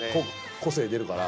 個性出るから。